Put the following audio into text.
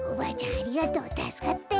ありがとうたすかったよ。